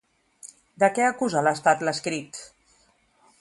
De què acusa l'estat, l'escrit?